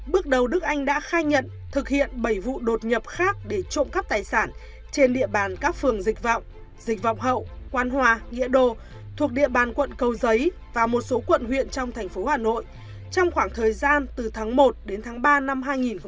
bước đầu đức anh đã khai nhận thực hiện bảy vụ đột nhập khác để trộm cắp tài sản trên địa bàn các phường dịch vọng dịch vọng hậu quan hòa nghĩa đô thuộc địa bàn quận cầu giấy và một số quận huyện trong thành phố hà nội trong khoảng thời gian từ tháng một đến tháng ba năm hai nghìn hai mươi